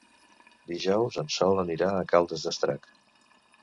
Dijous en Sol anirà a Caldes d'Estrac.